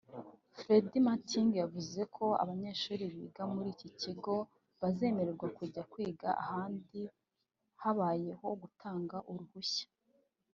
Fred Matiang yavuze ko abanyeshuri biga muri iki kigo bazemererwa kujya kwiga ahandi habayeho gutanga uruhushya